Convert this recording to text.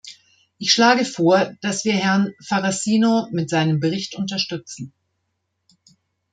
Ich schlage vor, dass wir Herrn Farassino mit seinem Bericht unterstützen.